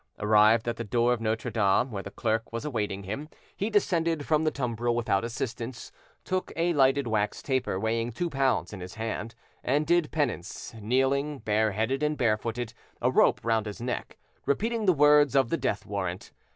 Arrived at the door of Notre Dame, where the clerk was awaiting him, he descended from the tumbril without assistance, took a lighted wax taper weighing two pounds in his hand, and did penance, kneeling, bareheaded and barefooted, a rope round his neck, repeating the words of the death warrant.